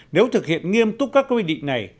nếu thực hiện nghiêm túc các quy định này